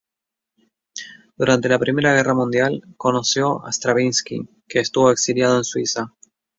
Durante la Primera Guerra Mundial, conoció a Stravinsky, que estuvo exiliado en Suiza.